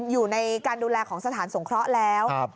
อยู่ในการดูแลของสถานสงเคราะห์แล้ว